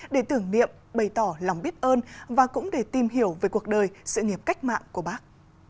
để tưởng niệm bày tỏ lòng biết ơn và cũng để tìm hiểu về cuộc đời sự nghiệp cách mạng của bác